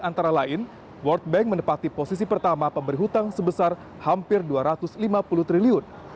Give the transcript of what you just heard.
antara lain world bank menepati posisi pertama pemberi hutang sebesar hampir dua ratus lima puluh triliun